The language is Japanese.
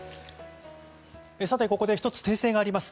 ここで１つ訂正があります。